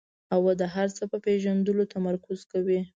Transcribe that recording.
او د هر څه په پېژندلو تمرکز کوي.